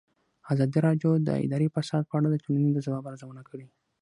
ازادي راډیو د اداري فساد په اړه د ټولنې د ځواب ارزونه کړې.